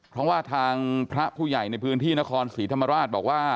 เพราะว่าทางพระผู้ใหญ่ในพื้นที่นครศรีธรรมราชบอกว่า